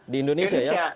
di indonesia ya